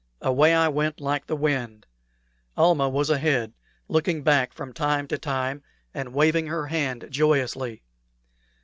Away I went like the wind. Almah was ahead, looking back from time to time, and waving her hand joyously.